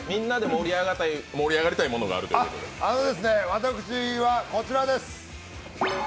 私はこちらです。